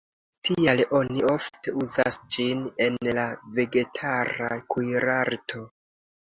Tial oni ofte uzas ĝin en la vegetara kuirarto.